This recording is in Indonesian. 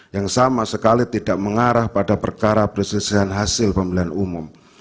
yang sama sekali tidak mengarah pada perkara perselisihan hasil pemilihan umum